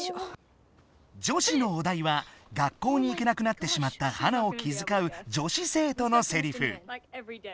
女子のおだいは学校に行けなくなってしまったハナを気づかう女子せいとのセリフ。